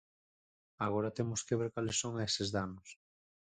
Agora, temos que ver cales son eses danos.